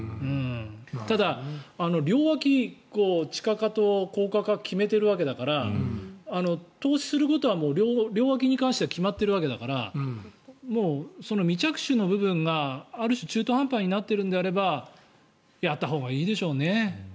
ただ、両脇、地下化と高架化を決めているわけだから投資することは両脇に関しては決まっているわけだからその未着手の部分がある種、中途半端になっているんであればやったほうがいいでしょうね。